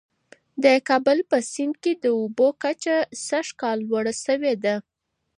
د کابل په سیند کي د اوبو کچه سږ کال لوړه سوې ده.